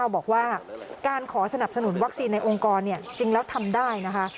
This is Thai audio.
บอกว่าการขอสนับสนุนวัคซีนในองค์กรจริงแล้วทำได้นะคะ